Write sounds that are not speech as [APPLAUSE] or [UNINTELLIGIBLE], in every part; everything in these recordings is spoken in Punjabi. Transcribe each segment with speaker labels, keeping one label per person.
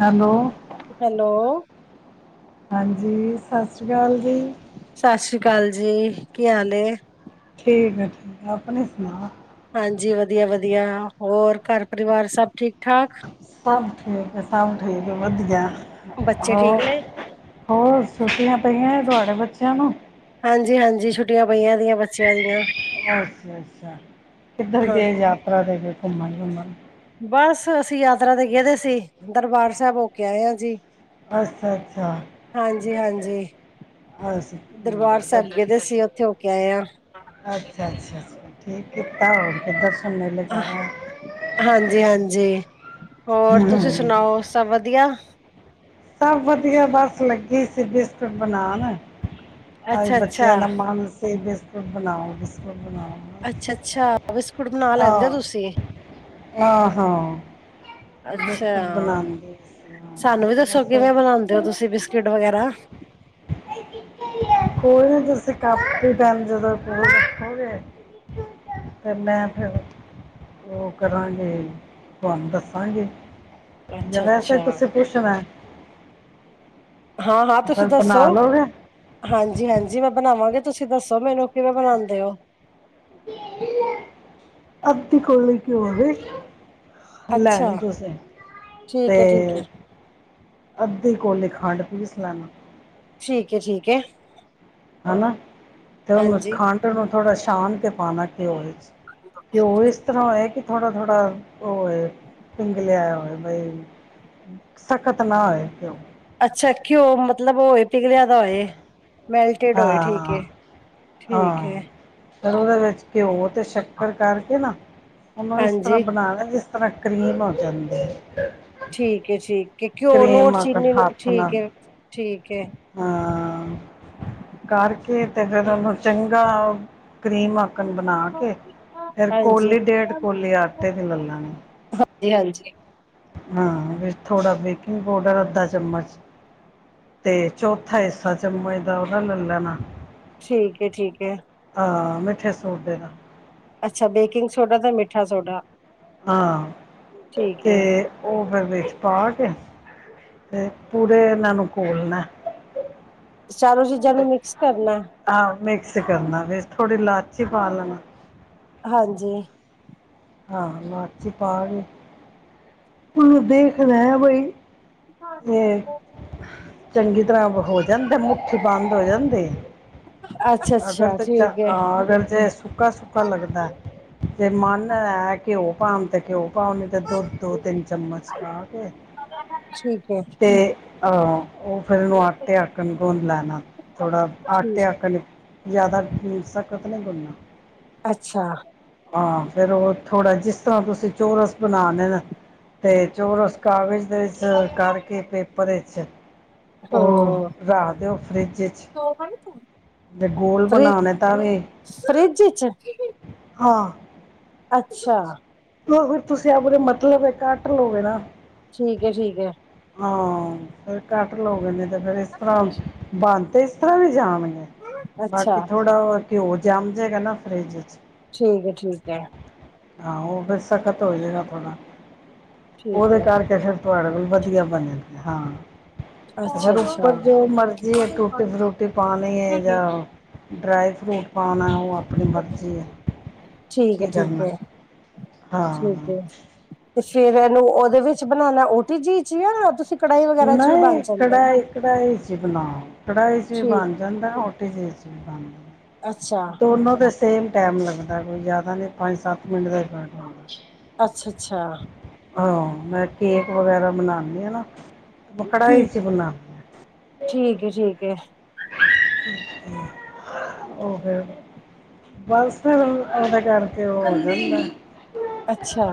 Speaker 1: ਹੈਲੋ।
Speaker 2: ਹੈਲੋ
Speaker 1: ਜੀ ਸਤਿ ਸ਼੍ਰੀ ਅਕਾਲ ਜੀ।
Speaker 2: ਸਤਿ ਸ੍ਰੀ ਅਕਾਲ ਜੀ ਕੀ ਹਾਲ ਏ।
Speaker 1: ਠੀਕ ਹੈ ਠੀਕ ਆਪਣੇ ਸੁਣਾ
Speaker 2: ਹਾਂਜੀ ਵਧੀਆ ਵਧੀਆ ਹੋਰ ਘਰ ਪਰਿਵਾਰ ਸਭ ਠੀਕ ਠਾਕ।
Speaker 1: ਸਭ ਠੀਕ ਹੈ ਸਭ ਠੀਕ ਵਧੀਆ
Speaker 2: ਬੱਚੇ ਠੀਕ
Speaker 1: ਹੋਰ
Speaker 2: ਨੇ
Speaker 1: ਹੋਰ ਛੁੱਟੀਆਂ ਪਈਆਂ ਤੁੁਹਾਡੇ ਬੱਚਿਆਂ ਨੂੰ।
Speaker 2: ਹਾਂਜੀ ਹਾਂਜੀ ਛੁੱਟੀਆਂ ਪਈਆਂ ਦੀਆਂ ਬੱਚਿਆਂ ਦੀਆਂ।
Speaker 1: ਅੱਛਾ ਅੱਛਾ। ਕਿੱਧਰ
Speaker 2: ਹਾਂ
Speaker 1: ਗਏ ਯਾਤਰਾ ਤੇ ਗ ਘੁੰਮਣ ਘੁੰਮਣ।
Speaker 2: ਬਸ ਅਸੀਂ ਯਾਤਰਾ ਤੇ ਗਏ ਦੇ ਸੀ ਦਰਬਾਰ ਸਾਹਿਬ ਹੋਕੇ ਆਏ ਹਾਂ ਜੀ।
Speaker 1: ਅੱਛਾ ਅੱਛਾ।
Speaker 2: ਹਾਂਜੀ ਹਾਂਜੀ
Speaker 1: ਅੱਛਾ
Speaker 2: ਦਰਬਾਰ ਸਾਹਿਬ ਗਏ ਦੇ ਸੀ ਉੱਥੇ ਹੋ ਕੇ ਆਏ ਆ
Speaker 1: ਅੱਛਾ ਅੱਛਾ । ਠੀਕ ਕੀਤਾ ਹੋਰ ਫਿਰ ਦਰਸ਼ਨ ਮੇਲੇ ਕਰਹੇ।
Speaker 2: ਹਾਂਜੀ ਹਾਂਜੀ ਹੋਰ ਤੁਸੀਂ
Speaker 1: ਹਮ
Speaker 2: ਸੁਣਾਓ ਸਭ ਵਧੀਆ।
Speaker 1: ਸਭ ਵਧੀਆ ਬਸ ਲੱਗੀ ਸੀ ਬਿਸਕੁਟ ਬਣਾਉਣ। ਅ
Speaker 2: ਅੱਛਾ ਅੱਛਾ
Speaker 1: ਬੱਚਿਆਂ ਦਾ ਮਨ ਸਹੀ ਬਿਸਕੁਟ ਬਣਾਓ ਬ
Speaker 2: ਅੱਛਾ ਅੱਛਾ ਬਿਸਕੁਟ ਬਣਾ ਲੈਂਦੇ ਤੁਸੀਂ।
Speaker 1: ਆਹੋ
Speaker 2: ਅੱਛਾ
Speaker 1: ਬਿਸਕੁਟ ਬਣਾਉਦੇ।
Speaker 2: ਸਾਨੂੰ ਵੀ ਦੱਸੋ ਕਿਵੇਂ ਬਣਾਉਂਦੇ ਹੋ ਤੁਸੀਂ ਬਿਸਕੁਟ ਵਗੈਰਾ।
Speaker 1: ਕੋਈ ਨਹੀਂ ਜਦੋਂ ਤੁਸੀਂ ਕੰਮ ਦੇ ਟਾਈਮ ਤੇ ਫੋਨ ਚੁੱਕੋਗੇ। ਤੇ ਮੈਂ ਫਿਰ ਉਹ ਕਰਾਂਗੇ ਤੁਹਾਨੂੰ ਦੱਸ। ਹਾਂਜੀ ਜੇ ਵੈਸੇ ਹੀ
Speaker 2: ਅੱਛਾ-ਅੱਛਾ,
Speaker 1: ਤੁਸੀਂ ਪੁੱਛਣਾ।
Speaker 2: ਹਾਂ ਹਾਂ ਤੁਸੀਂ
Speaker 1: ਫਿਰ
Speaker 2: ਦੱਸੋ
Speaker 1: ਬਣਾ ਲਓਗੇ
Speaker 2: ਹਾਂਜੀ ਹਾਂਜੀ ਮੈਂ ਬਣਾਵਾਂਗੇ। ਤੁਸੀਂ ਦੱਸੋ ਮੈਨੂੰ ਕਿਵੇਂ ਬਣਾਉਂਦੇ ਹੋ।
Speaker 1: ਅੱਧੀ ਕੋਲੀ ਘਿਓ ਦੀ।
Speaker 2: ਅੱਛਾ,
Speaker 1: ਲੈਣੀ ਤੁਸੀਂ ਤੇ
Speaker 2: ਠੀਕ ਹੈ, ਠੀਕ ਹੈ,
Speaker 1: ਅੱਧੇ ਕੋਲੇ ਖੰਡ ਪੀਸ ਲੈਣਾ।
Speaker 2: ਠੀਕ ਹੈ ਠੀਕ ਹੈ।
Speaker 1: ਹਨ ਤੇ ਉਹਨੂੰ
Speaker 2: ਹਾਂਜੀ।
Speaker 1: ਖੰਡ ਨੂੰ ਥੋੜਾ ਛਾਨ ਕੇ ਪਾਣਾ ਘਿਓ ਘਿਓ ਇਸ ਤਰ੍ਹਾਂ ਹੋਏ ਕਿ ਥੋੜਾ ਥੋੜਾ ਉਹਏ ਪਿੰਗ ਲਿਆਇਆ ਹੋਏ ਬਈ। ਸਖਤ ਨਾ ਹੋਏ ਘਿਓ।
Speaker 2: ਅੱਛਾ ਘਿਓ ਮਤਲਬ ਹੋਏ ਪਿਘਲਿਆ ਦਾ ਹੋਏ। ਮੈਲਟੇਡ
Speaker 1: ਹਾਂ
Speaker 2: ਹੋਏ ਠੀਕ ਹੈ।
Speaker 1: ਹਾਂ
Speaker 2: ਠੀਕ
Speaker 1: ਹਾਂ
Speaker 2: ਹੈ,
Speaker 1: ਫਿਰ ਉਹਦੇ ਵਿੱਚ। ਘਿਓ ਤੇ ਸ਼ੱਕਰ ਕਰਕੇ ਨਾ ਉਹਨੂੰ ਇਸ ਤਰ੍ਹਾਂ
Speaker 2: ਹਾਂਜੀ
Speaker 1: ਬਣਾਣਾ। ਕਰੀਮ ਹੋ ਜਾਂਦੀ।
Speaker 2: ਠੀਕ ਏ ਠੀਕ। ਘਿਓ ਨੋਟ
Speaker 1: ਕਰੀਮ ਆਕਣ
Speaker 2: ਚੀਨੀ
Speaker 1: ਹੱਥ ਨਾਲ
Speaker 2: ਠੀਕ ਹੈ ਠੀਕ ਹੈ।
Speaker 1: ਹਾਂ ਕਰਕੇ ਤੇ ਫੇਿਰ ਉਹਨੂੰ ਚੰਗਾ ਕਰੀਮ ਆਕਣ ਬਣਾ ਕੇ ਫਿਰ
Speaker 2: ਹਾਂਜੀ।
Speaker 1: ਕੋਲੀ ਡੇਢ ਕੋਲੀ ਆਟੇ ਦੀ ਲ ਲੈਣੀ।
Speaker 2: ਜੀ ਹਾਂਜੀ
Speaker 1: ਹਾਂ ਵੀ ਥੋੜਾ ਬੇਕਿੰਗ ਪਾਊਡਰ ਅੱਧਾ ਚਮਚ ਤੇ ਚੌਥਾ ਹਿੱਸਾ ਚਮਜ ਦਾ ਉਹਦਾ ਲੈ ਲੈਣਾ
Speaker 2: ਠੀਕ ਹੈ ਠੀਕ ਹੈ।
Speaker 1: ਹਾਂ ਮਿੱਠੇ ਸੋਡੇ ਦੇ ਦਾ
Speaker 2: ਅੱਛਾ ਬੇਕਿੰਗ ਸੋਡਾ ਤੇ ਮਿੱਠਾ ਸੋਡਾ।
Speaker 1: ਹਾਂ
Speaker 2: ਠੀਕ ਹੈ।
Speaker 1: ਤੇ ਉਹ ਫਿਰ ਵਿੱਚ ਪਾ ਕੇ ਤੇ ਪੂਰੇ ਇਹਨਾਂ ਨੂੰ ਘੋਲਣਾ।
Speaker 2: ਚਾਲੋ ਸੀ ਜ ਨੂੰ ਮਿਕਸ ਕਰਨਾ
Speaker 1: ਆਹੋ ਮਿਕਸ ਕਰਨਾ ਫ ਥੋੜ੍ਹੀ ਇਲਾਚੀ ਪਾ ਲੈਣਾ।
Speaker 2: ਹਾਂਜੀ।
Speaker 1: ਹਾਂ ਲਾਚੀ ਪਾ ਕੇ ਹੂੰ ਦੇਖਦਾ ਬਈ
Speaker 2: ਹਾਂ ਹ
Speaker 1: ਇਹ
Speaker 2: ਬਹੁ
Speaker 1: ਚੰਗੀ ਤਰ੍ਹਾਂ ਹੋ ਜਾਂਦਾ ਮੁਠੀ ਬੰਦ ਹੋ ਜਾਂਦੇ।
Speaker 2: ਅੱਛਾ
Speaker 1: ਅਗਰ
Speaker 2: ਅੱਛਾ ਠੀਕ ਹੈ
Speaker 1: ਅਗਰ ਜ ਸੁੱਕਾ ਸੁੱਕਾ ਲੱਗਦਾ ਜ ਮਨ ਹੈ ਘਿਓ ਪਾਉਣ ਤੇ ਘਿਓ ਪਾਓ ਨਹੀਂ ਤੇ ਦੁੱਧ ਦੋ ਤਿੰਨ ਚਮਚ ਪਾਾ ਕੇ
Speaker 2: ਠੀਕ ਹੈ
Speaker 1: ਤੇ ਅਹ ਉਹ ਫੇਿਰ ਇਹਨੂੰ ਆਟੇ ਆਕਣ ਘੁੰਨ ਲੈਣਾ ਥੋੜਾ ਆਟੇ
Speaker 2: ਠੀਕ
Speaker 1: ਆਕਣ। ਜਿਆਦਾ ਸਖਤ ਨਹੀਂ ਗੁੰਨਣਾ।
Speaker 2: ਅੱਛਾ
Speaker 1: ਹਾਂ ਫਿਰ ਉਹ ਥੋੜ੍ਹਾ ਜਿਸ ਤਰ੍ਹਾਂ ਤੁਸੀਂ ਚੋਰਸ ਬਣਾ ਲ ਨਾ ਅਤੇ ਚੋਰਸ ਕਾਗਜ਼ ਇਸ ਕਰਕੇ ਕਪਰੇ 'ਚ ਉਹ
Speaker 2: ਹਮ
Speaker 1: ਰੱਖਦੇ ਉਹ ਫ੍ਰਿੱਜ 'ਚ ਜੇ ਗੋਲ
Speaker 2: ਫਰਿ
Speaker 1: ਬਣਾਣੇ ਤਾਂ ਵੀ
Speaker 2: ਫਰਿਜ ਚ
Speaker 1: ਹਾਂ
Speaker 2: ਅੱਛਾ
Speaker 1: ਫਿਰ ਤੁਸੀਂ ਆਪਦੇ ਮਤਲਬ ਕੱਟ ਲੋਗੇ ਨਾ
Speaker 2: ਠੀਕ ਹੈ ਠੀਕ ਹੈ
Speaker 1: ਹਾਂ ਫੇਰ ਕਟ ਲੋ ਗੇ ਨਾ ਤੇ ਫੇਰ ਇਸ ਤਰ੍ਹਾਂ ਬੰਨ ਤਾਂ ਇਸ ਤਰ੍ਹਾਂ ਵੀ ਜਾਣਗੇ। ਬਾਕੀ
Speaker 2: ਅੱਛਾ
Speaker 1: ਥੋੜਾ ਘਿਓ ਜਮ ਜਾਏਗਾ ਨਾ ਫਰਿਜ ਚ
Speaker 2: ਠੀਕ ਹੈ ਠੀਕ ਹੈ
Speaker 1: ਆਹੋ ਫਿਰ ਸਖ਼ਤ ਹੋ ਜਾਏਗਾ ਥੋੜਾ
Speaker 2: ਠੀਕ
Speaker 1: ਉਹਦੇ
Speaker 2: ਹੈ
Speaker 1: ਕਰਕੇ ਫਿਰ ਤੁਹਾਡੇ ਕੋਲ ਵਧੀਆ ਬਣਦੀ ਹਾਂ ਤੇ
Speaker 2: ਅੱਛਾ
Speaker 1: ਫੇਰ ਉੱਪਰ
Speaker 2: ਅੱਛਾ
Speaker 1: ਜੋ ਮਰਜ਼ੀ ਹੈ ਟੂਟੀ ਫਰੂਟੀ ਪਾਣੀ ਹੈ ਜਾਂ ਡਰਾਈ ਫਰੂਟ ਪਾਉਣਾ ਉਹ ਆਪਣੀ ਮਰਜ਼ੀ ਹੈ
Speaker 2: ਠੀਕ ਹੈ
Speaker 1: ਕੀ
Speaker 2: ਠੀਕ
Speaker 1: ਕਰਨਾ
Speaker 2: ਹੈ ਠੀਕ ਹੈ
Speaker 1: ਹਾਂ
Speaker 2: ਤੇ ਫੇਰ ਇਹਨੂੰ ਉਹਦੇ ਵਿੱਚ ਬਣਾਉਣਾ ਊਟੀ ਜੀ ਚ ਆ ਤੁਸੀਂ ਕੜਾਹੀ ਵਗੈਰਾ ਚ ਵੀ ਬਣ
Speaker 1: ਨਹੀਂ
Speaker 2: ਜਾਂਦੇ ਨੇ
Speaker 1: ਕੜਾਹੀ ਕੜਾਹੀ ਚ ਬਣਾਓ ਕੜਾਹੀ ਚ ਵੀ
Speaker 2: ਠੀਕ
Speaker 1: ਬਣ ਜਾਂਦਾ ਓਟੀ ਚ
Speaker 2: ਅੱਛਾ
Speaker 1: ਦੋਨੋ ਤੇ ਸੇਮ ਟੈਮ ਲੱਗਦਾ ਕੋਈ ਜਿਆਦਾ ਨੀ ਪੰਜ ਸੱਤ ਮਿੰਟ ਦਾ ਹੀ ਫਰਕ ਹੁੰਦਾ
Speaker 2: ਅੱਛਾ ਅੱਛਾ।
Speaker 1: ਹਹ ਮੈਂ ਕੇਕ ਵਗੈਰਾ ਬਨਾਉਦੀ ਹਾਂ ਨਾ। ਕੜਾਹੀ
Speaker 2: ਠੀਕ
Speaker 1: ਚ ਬਣਾਉਣੀ ਹ।
Speaker 2: ਠੀਕ ਹੈ ਠੀਕ ਹੈ
Speaker 1: ਓ ਹੋ ਬਸ ਉਹਦਾ ਕਰਕੇ ਉਹ ਆ ਜਾਂਦਾ
Speaker 2: ਅੱਛਾ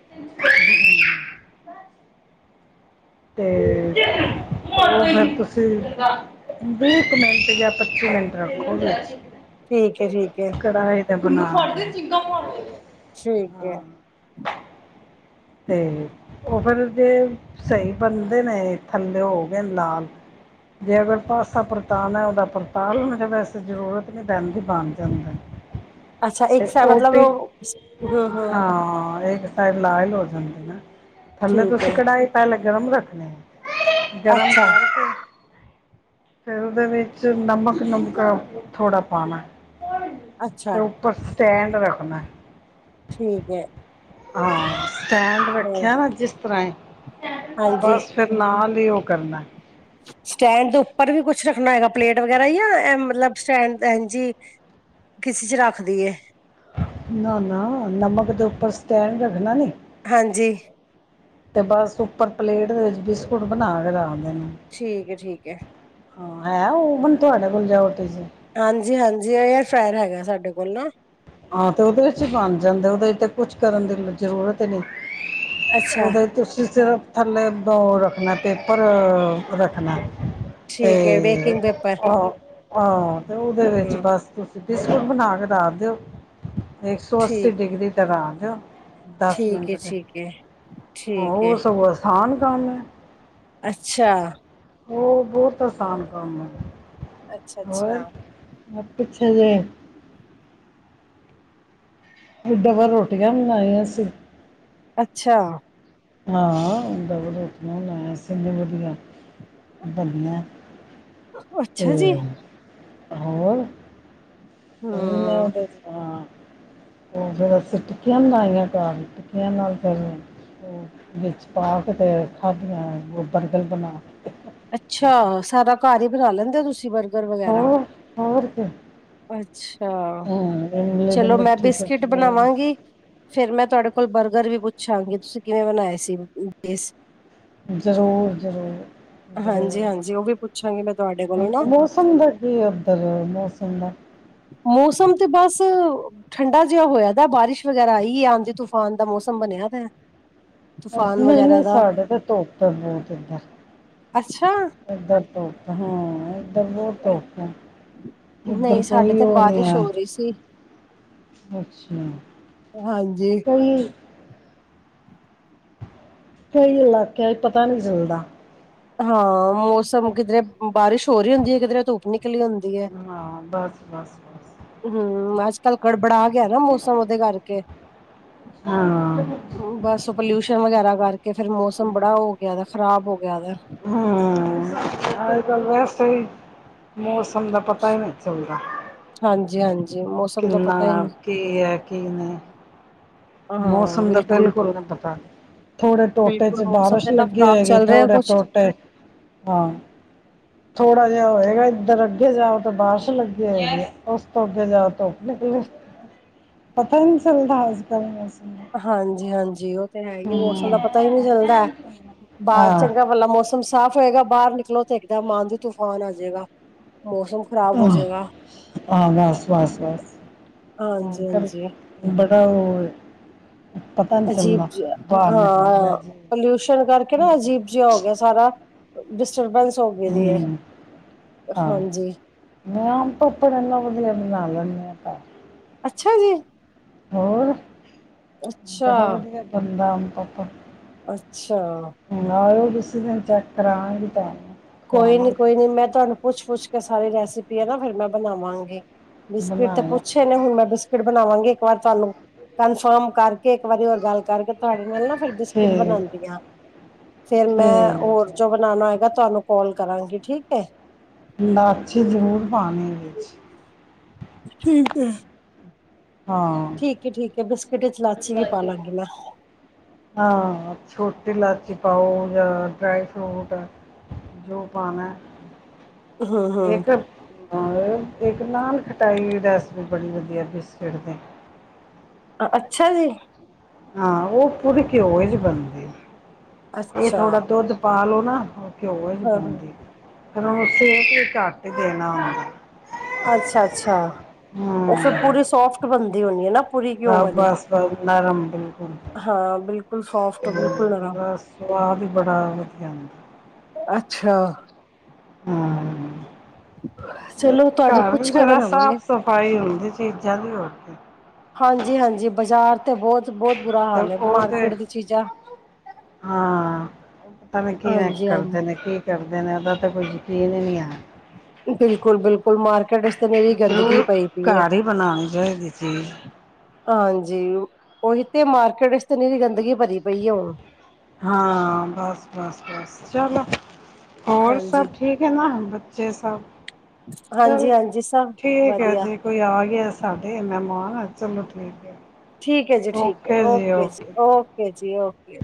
Speaker 1: [INAUDIBLE] ਤੇ ਉਹ ਫਿਰ ਤੁਸੀਂ ਵੀਹ ਕੁ ਮਿੰਟ ਜਾਂ ਪੱਚੀ ਮਿੰਟ ਰੱਖੋਗੇ।
Speaker 2: ਠੀਕ ਹੈ ਠੀਕ ਹੈ
Speaker 1: [INAUDIBLE]
Speaker 2: ਠੀਕ ਹੈ
Speaker 1: ਹਾਂ ਤੇ ਉਹ ਫਿਰ ਜ ਸਹੀ ਬਣਦੇ ਨੇ ਥੱਲੇ ਹੋ ਗਏ ਲਾਲ ਜੇ ਅਗਰ ਪਾਸਾ ਪਰਤਾਣਾ ਹੈ ਉਹਦਾ ਪਰ ਤਾ ਲਓਜਾ ਵੈਸੇ ਜ਼ਰੂਰਤ ਨਹੀਂ ਪੈਂਦੀ ਬਣ ਜਾਂਦਾ
Speaker 2: ਅੱਛਾ ਇੱਕ
Speaker 1: ਤੇ
Speaker 2: ਸ
Speaker 1: ਉਹ
Speaker 2: ਮਤਲਬ
Speaker 1: ਤੇ
Speaker 2: ਉਹ ਹਾਂ
Speaker 1: ਹਾਂ ਇਹ ਲਾਲ ਹੋ ਜਾਂਦੇ ਨਾ ਥੱਲੇ
Speaker 2: ਠੀਕ
Speaker 1: ਤੁਸੀਂ
Speaker 2: ਹੈ
Speaker 1: ਕਢਾਈ ਪਹਿਲੇ ਗਰਮ ਰੱਖਣੇ ਆ ਜਨਮ
Speaker 2: ਅੱਛਾ
Speaker 1: ਤਾਰਿਕ ਫਿਰ ਉਹਦੇ ਵਿੱਚ ਨਮਕ ਨੁਮਕਾ ਥੋੜਾ ਪਾਉਣਾ
Speaker 2: ਅੱਛਾ
Speaker 1: ਉਪਰ ਸਟੈਂਡ ਰੱਖਣਾ
Speaker 2: ਠੀਕ ਹੈ
Speaker 1: ਹਾਂ ਸਟੈਂਡ
Speaker 2: ਹਾਂ
Speaker 1: ਰੱਖਿਆ ਨਾ ਜਿਸ ਤਰਾ
Speaker 2: ਹਾਂਜੀ
Speaker 1: ਬਸ ਫਿਰ ਨਾਲ ਉਹ ਕਰਨਾ
Speaker 2: ਸਟੈਂਡ ਦੇ ਉੱਪਰ ਵੀ ਕੁਛ ਰੱਖਣਾ ਹੈਗਾ ਪਲੇਟ ਵਗੈਰਾ ਜਾਂ ਮਤਲਬ ਸਟੈਂਡ ਇੰਜ ਜੀ ਕਿਸੇ ਚ ਰੱਖ ਦੀਏ
Speaker 1: ਨਾ ਨਾ ਨਮਕ ਦੇ ਉੱਪਰ ਸਟੈਂਡ ਰੱਖਣਾ ਨੀ
Speaker 2: ਹਾਂਜੀ
Speaker 1: ਤੇ ਬਸ ਉੱਪਰ ਪਲੇਟ ਦੇ ਵਿੱਚ ਬਿਸਕੁਟ ਬਣਾ ਕੇ ਰੱਖ ਦੇ
Speaker 2: ਠੀਕ ਹੈ ਠੀਕ ਹੈ
Speaker 1: ਹਾਂ ਹੈ ਉਹਣ ਤੁਹਾਡੇ ਕੋਲ ਜਾਓ ਤੁਸੀਂ
Speaker 2: ਹਾਂਜੀ ਹਾਂਜੀ ਏਅਰ ਫਾਇਰ ਹੈਗਾ ਸਾਡੇ ਕੋਲ ਨਾ
Speaker 1: ਹਾਂ ਤੇ ਉਹਦੇ ਵਿੱਚ ਹੀ ਬਣ ਜਾਂਦੇ ਉਹਦੇ ਤੇ ਕੁਛ ਕਰਨ ਦੀ ਜ਼ਰੂਰਤ ਹੀ ਨਹੀਂ
Speaker 2: ਅੱਛਾ
Speaker 1: ਉਹਦੇ ਤੁਸੀਂ ਸਿਰਫ ਥੱਲੇ ਦੋ ਰੱਖਣਾ ਪੇਪਰ ਰੱਖਣਾ ਤੇ
Speaker 2: ਠੀਕ ਹੈ ਬੇਕਿੰਗ ਪੇਪਰ
Speaker 1: ਆਹ ਹਾਂ ਤੇ ਉਹਦੇ ਵਿੱਚ
Speaker 2: ਹਮ
Speaker 1: ਬਸ ਤੁਸੀਂ ਬਿਸਕੁਟ ਬਣਾ ਕੇ ਰੱਖ ਦਿਓ ਐਕ ਸੌ ਅੱਸੀ
Speaker 2: ਠੀਕ
Speaker 1: ਡਿਗਰੀ ਤੱਕ ਆ ਗਯਾ। ਦਸ
Speaker 2: ਠੀਕ
Speaker 1: ਮਿੰਟ
Speaker 2: ਹੈ
Speaker 1: ਤੇ,
Speaker 2: ਠੀਕ ਹੈ ਠੀਕ ਹੈ
Speaker 1: ਉਹ ਸਗੋਂ ਅਸਾਨ ਕਾਮ ਐ।
Speaker 2: ਅੱਛਾ।
Speaker 1: ਉ ਬੋਤ ਅਸਾਨ ਕੰਮ ਹੈ।
Speaker 2: ਅੱਛਾ- ਅੱਛਾ
Speaker 1: ਮ ਪਿੱਛੇ ਜੇ ਡਵਲ ਰੋਟੀਆਂ ਵੀ ਬਨਾਈਆਂ ਸੀਂ।
Speaker 2: ਅੱਛਾ।
Speaker 1: ਹਾਂ, ਡਵਲ ਰੋਟਿਆ ਵੀ ਬਨਾਈਆਂ ਸੀ ਇਨੇ ਵਧੀਆ। ਬਧੀਆਂ
Speaker 2: ਅੱਛਾ ਜੀ!
Speaker 1: ਹੋਰ,
Speaker 2: ਹਮ
Speaker 1: ਹਾਂ ਔ ਫੇਰ ਅਸੀਂ ਟਿੱਕੀਆਂ ਬਨਾਈਆਂ ਘਰ ਟਿੱਕੀਆਂ ਨਾਲ ਫੇਰ ਵਿੱਚ ਪਾ ਕੇ ਤੇ ਖਾਦੀਆਂ ਔ ਬਰਬਲ ਬਨਾ ਕੇ
Speaker 2: ਅੱਛਾ, ਸਾਰਾ ਘਰ ਈ ਬਨਾ ਲੈਂਦੇ ਹੋ ਤੁਸੀਂ ਬਰਗਰ ਵਗੈਰਾ
Speaker 1: ਹੋਰ ਹੋਰ ਫੇਰ
Speaker 2: ਅੱਛਾ
Speaker 1: ਇਮਲੀ ਦੀ
Speaker 2: ਚਲੋ ਮੈਂ
Speaker 1: ਮਿੱਠੀ
Speaker 2: ਬਿਸਕਿਟ ਬਣਾਵਾਂਗੀ
Speaker 1: ਚਟਨੀ
Speaker 2: ਫੇਰ ਮੈਂ ਤੁਹਾਡੇ ਕੋਲ ਕੋ ਬਰਗਰ ਵੀ ਪੁੱਛਾਂਗੇ, ਤੁਸੀਂ ਕਿਵੇਂ ਬਨਾਏ ਸੀ? [UNINTELLIGIBLE]
Speaker 1: ਜਰੂਰ, ਜਰੂਰ, ਜਰੂਰ
Speaker 2: ਹਾਂਜੀ-ਹਾਂਜੀ, ਉਹ ਵੀ ਪੁੱਛਾਂਗੀ ਮੈਂ ਤੁਹਾਡੇ ਕੋਲੋਂ ਨਾ,
Speaker 1: ਮੌਸਮ ਦਾ ਕੀ ਉਧਰ, ਮੌਸਮ ਦਾ
Speaker 2: ਮੌਸਮ ਤੇ ਬਸ ਠੰਡਾ ਜਿਆ ਹੋਇਆ ਦਾ, ਬਾਰਿਸ਼ ਵਗੈਰਾ ਆਈ ਐ ਆਂਦੀ ਤੂਫਾਨ ਦਾ ਮੌਸ ਤਮ ਬਨੇਆ ਦਾਏ
Speaker 1: ਨਈ ਸਾਡੇ ਤੇ ਧੋਪ ਬੋਤ
Speaker 2: ਅੱਛਾ
Speaker 1: ਇਦਰ ਇਦਰ ਤੋਪ, ਹਾਂ ਦਰ ਬੋਤ ਧੁੱਪ ਐ, ਇੱਦਰ
Speaker 2: ਨਹੀਂ ਸਾਡੇ
Speaker 1: ਕੋਈ
Speaker 2: ਤੇ
Speaker 1: ਔ ਨੀ
Speaker 2: ਬਾਰਿਸ਼
Speaker 1: ਐ।
Speaker 2: ਹੋ ਰਹੀ ਸੀ,
Speaker 1: ਅੱਛਾ।
Speaker 2: ਹਾਂਜੀ।
Speaker 1: ਕਈ ਕਈ ਇਲਾਕਿਆ ਪਤਾ ਨੀ ਚੱਲਦਾ।
Speaker 2: ਹਾਂ, ਮੌਸਮ ਕਿਦਰੇ ਬਾਰਿਸ਼ ਹੋ ਰੀ ਹੁੰਦੀ ਐ ਕਿਦਰੇ ਧੁੱਪ ਨੀਕ ਕਲੀ ਹੁੰਦੀ ਐ,
Speaker 1: ਹਾਂ ਬਸ ਬਸ ਬਸ
Speaker 2: ਹੂੰ ਅੱਜ ਕੱਲ੍ਹ ਗੜਬੜਾ [UNINTELLIGIBLE] ਮੌਸਮ ਔਦੇ ਕਰਕੇ
Speaker 1: ਹਾਂ
Speaker 2: ਬਸ ਪਲਿਊਸ਼ਨ ਵਗੈਰਾ ਕੇ ਫੇਰ ਮੌਸਮ ਬੜਾ ਔ ਗਆ ਦਾ, ਖਰਾਬ ਹੋ ਗਆ ਦਾ
Speaker 1: ਹੂੰ ਅਜ ਕੱਲ ਵੈਸੇ ਈ ਮੌਸ ਪਲ ਦਾ ਪਤਾ ਈ ਨਈ ਚਲਦਾ
Speaker 2: ਹਾਂਜੀ-ਹਾਂਜੀ, ਮੌਸਮ ਦਾ
Speaker 1: ਕਿੰਨਾ
Speaker 2: ਪਤਾ ਹੀ ਨਹੀਂ
Speaker 1: ਕੀ ਹੈ ਕਿ ਨਹੀਂ? ਮੌਸਮ ਦਾ ਬਿਲਕੁਲ ਪਤਾ ਥੋੜੇ ਟੋਟੇ
Speaker 2: ਬਿਲਕੁਲ
Speaker 1: 'ਚ
Speaker 2: ਮੌਸਮ
Speaker 1: ਬਾਰਿਸ਼
Speaker 2: ਤੇ ਨਾ
Speaker 1: ਲੱਗੀ
Speaker 2: ਖ਼ਰਾਬ
Speaker 1: ਹੋਏਗੀ,
Speaker 2: ਚੱਲ ਰਿਹਾ
Speaker 1: ਥੋੜੇ
Speaker 2: ਕੁਛ
Speaker 1: ਟੋਟੇ ਹਾਂ ਥੋੜਾ ਜਿਆ ਹੋਏਗਾ ਇੱਧਰ ਅੱਗੇ ਜਾਓ ਤੇ ਬਾਰਿਸ਼ ਲੱਗੀ ਹੋਏਗੀ ਉਸ ਤੋਂ ਅੱਗੇ ਜਾਓ ਧੋਪ ਪਤਾ ਈ ਨੀ ਚੱਲਦਾ ਅੱਜ ਕੱਲ ਮੋਸ
Speaker 2: ਹਾਂਜੀ, ਹਾਂਜੀ ਓ ਤੇ ਹੈ ਈ ਐ ਮੌਸਮ ਦਾ ਪਤਾ ਈ ਨੀ ਚੱਲਦਾ ਬਾਰ
Speaker 1: ਹਾਂ
Speaker 2: ਚੰਗਾ ਪਲਾ ਮੌਸਮ ਮੌਸਮ ਸਾਫ਼ ਹੋਏਗਾ ਬਾਰ ਨਿਕਲੋ ਤੇ ਇੱਕਦਮ ਆਂਦੀ, ਤੂਫਾਨ ਆ ਜੇਗਾ।
Speaker 1: ਆਹ, ਆਹ, ਬਸ, ਬਸ, ਬੱਸ ਓ ਪਰ
Speaker 2: ਹਾਂਜੀ-ਹਾਂਜੀ
Speaker 1: ਬੜਾ ਔ ਏ।
Speaker 2: ਅਜੀਬ ਜਿਹਾ,
Speaker 1: ਨਿਕਲ
Speaker 2: ਹਾਂ
Speaker 1: ਗਿਆ ਜੀ
Speaker 2: ਪੋਲਿਊਸ਼ਨ ਕਰਕੇ ਨਾ ਅਜੀਬ ਜਯਾ ਹੋ ਗਆ ਸਾਰਾ ਡਿਸਟਰਬੈਂਸ ਹੋ ਗਈ ਦੀ ਹੈ।
Speaker 1: ਹੂੰ ਆ [UNINTELLIGIBLE]
Speaker 2: ਹਾਂਜੀ,
Speaker 1: ਬਨਾ ਲੇਨੇ ਆ ਘ
Speaker 2: ਅੱਛਾ ਜੀ।
Speaker 1: ਹੋਰ!
Speaker 2: ਅੱਛਾ,
Speaker 1: ਬੜਾ ਵਦੀਆ ਬੰਦਾ ਆਮ ਪਾਪਾ।
Speaker 2: ਅੱਛਾ।
Speaker 1: ਉਸੀ ਦਿਨ ਚੈੱਕ ਕਰਾਗੀ ਤਾਂ
Speaker 2: ਕੋਈ ਨੀ, ਕੋਈ ਨੀ। ਮੈਂ ਤੁਆਨੂੰ ਪੁੱਛ-ਪੁੱਛ ਕੇ ਸਾਰੀ ਰੈਸਿਪੀ ਏ ਨਾ ਫਿਰ ਮੈਂ ਬਨਾਵਾਂਗੀ। ਬਿਸਕਿਟ ਤੇ
Speaker 1: ਬਣਾਇਆ
Speaker 2: ਪੁੱਛੇ ਨੇ ਹੁਣ ਮੈਂ ਬਿਸਕਿਟ ਬਣਾਵਾਂਗੀ। ਇੱਕ ਵਾਰ ਤੁਹਾਨੂੰ ਕਨਫਰਮ ਕਰਕੇ ਇੱਕ ਵਾਰੀ ਹੋਰ ਗੱਲ ਕਰਕੇ ਤੁੇ ਨਾਲ ਨਾ ਫਿਰ ਬਿਸਕੁਟ
Speaker 1: ਠੀਕ
Speaker 2: ਬਣਾਉਂਦੀਆਂ ਫੇਰ ਮੈਂ
Speaker 1: ਠੀਕ
Speaker 2: ਹੋਰ
Speaker 1: ਹੈ
Speaker 2: ਜੋ ਬਣਾਉਣਾ ਹੈਗਾ ਤੁਹਾਨੂੰ ਕਾਲ ਕਰਾਂਗੀ ਠੀਕ ਐ।
Speaker 1: ਲਾਚੀ ਜ਼ਰੂਰ ਪਾਣੀ ਵਿੱਚ
Speaker 2: ਠੀਕ ਹੈ
Speaker 1: ਹਾਂ
Speaker 2: ਠੀਕ ਐ -ਠੀਕ ਐ ਬਸ
Speaker 1: ਹਾਂ ਛੋਟ ਇਲਾਚੀ ਪਾਓ ਜਾਂ ਡਰਾਈ ਫਰੂਟ ਜੋ ਪਾਣਾ
Speaker 2: ਹਾਂ- ਹਾਂ।
Speaker 1: ਇੱਕ ਇੱਕ ਨਾਨ ਖਟਾਈ ਰੈਸਪੀ ਬੜੀ ਵਧੀਆ ਬਿਸਕਿਟ ਦੀ।
Speaker 2: ਅੱਛਾ ਜੀ।
Speaker 1: ਹਾਂ ਉਹ ਪੁੁਰੀ ਘਿਉ 'ਚ ਬਣਦੀ ਇਹ
Speaker 2: ਅੱਛਾ,
Speaker 1: ਥੋੜਾ ਦੁੱਧ ਪਾ ਲੋਓ ਨਾ। ਉਹ ਘਿਓ 'ਚ
Speaker 2: ਹਾਂ
Speaker 1: ਬਣਦੀ ਫੇਰ ਉਹਨੂੰ ਸੇਕ ਵੀ ਘੱਟ ਦੇਣਾ ਆਉਂਦਾ।
Speaker 2: ਅੱਛਾ -ਅੱਛਾ ਉਹ ਫਿਰ ਪੂਰੀ ਸੋਫਟ ਬਣਦੀ ਹੋਣੀ ਹੈ ਨਾ। ਪੂਰੀ ਘਿਓ
Speaker 1: ਹਾਂ
Speaker 2: ਵਾਲੀ।
Speaker 1: ਬਸ- ਬਸ ਨਰਮ ਬਿਲਕੁਲ।
Speaker 2: ਹਾਂ ਬਿਲਕੁਲ ਸੋਫਟ ਬਿਲਕੁਲ ਨਰਮ।
Speaker 1: ਬਦਾ ਸਵਾਦ ਹੀ ਬੜਾ ਵਧੀਆ ਆਂਦਾ
Speaker 2: ਅੱਛਾ।
Speaker 1: ਹੂੰ
Speaker 2: ਚਲੋ ਤੁਹਾਨੂੰ
Speaker 1: ਘਰ
Speaker 2: ਪੁੱਛ ਕੇ
Speaker 1: ਜਰਾ
Speaker 2: ਬਣਾਵਾਂਗੇ।
Speaker 1: ਸਾਫ ਸਫ਼ਾਈ ਹੁੰਦੀ ਚੀਜ਼ਾਂ ਦੀ ਹੋਰ ਕੀ
Speaker 2: ਹਾਂਜੀ- ਹਾਂਜੀ ਬਾਜ਼ਾਰ ਬਹੁਤ ਬੁਰਾ
Speaker 1: ਤੇ
Speaker 2: ਹਾਲ ਹੈ
Speaker 1: ਉਹ ਤੇ
Speaker 2: ਮਾਰਕੀਟ ਦੀ ਚੀਜ਼ਾਂ
Speaker 1: ਹਾਂ ਪਤਾ ਨੀ ਕਿਵੇਂ
Speaker 2: ਹਾਂਜੀ-ਹਾਂਜੀ
Speaker 1: ਕਰਦੇ ਨੇ ਕਿ ਕਰਦੇ ਨੇ ਉਹਦਾ ਤੇ ਕਈ ਯਕੀਨ ਨੀ ਹੈ।
Speaker 2: ਬਿਲਕੁਲ -ਬਿਲਕੁਲ ਮਾਰਕੀਟ ਤੇ ਨਿਰੀ ਗੰਦਗੀ
Speaker 1: 'ਚ
Speaker 2: ਪਈ ਪਈ ਏ।
Speaker 1: ਘਰ ਹੀ ਬਣਾਉਣੀ ਚਾਹੀਦੀ ਚੀਜ
Speaker 2: ਹਾਂਜੀ ਉਹੀ ਤੇ ਮਾਰਕੀਟ ਵਿੱਚਨੀ ਗੰਦਗੀ ਭਰੀ ਪਈ ਹੈ ਹੁਣ
Speaker 1: ਹਾਂ ਬਸ -ਬਸ -ਬਸ ਚਲੋ ਹੋਰ ਸਭ
Speaker 2: ਹਾਂਜੀ।
Speaker 1: ਠੀਕ ਹੈ ਨਾ ਬ ਜੇ ਸਭ ਚੱਲੋ
Speaker 2: ਹਾਂਜੀ-ਹਾਂਜੀ ਸਭ
Speaker 1: ਠੀਕ ਹੈ
Speaker 2: ਵਧੀਆ
Speaker 1: ਜੀ ਕੋਈ ਆ ਗਿਆ ਸਾਡੇ ਮਹਿਮਾਨ ਹਾਂ ਚਲੋ ਠੀਕ ਹੈ।
Speaker 2: ਠੀਕ ਹੈ ਜੀ ਠੀਕ ਹੈ ਓਕੇ ਜੀ ਓਕੇ ਜੀ ਓਕੇ।